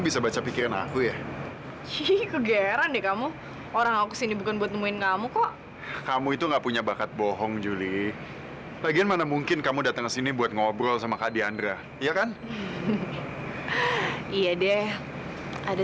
sampai jumpa di video selanjutnya